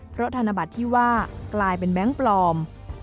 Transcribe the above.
เพราะธนบัตรที่ว่ากลายเป็นแบงค์ปลอม